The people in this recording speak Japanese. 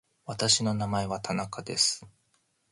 私の名前は田中です。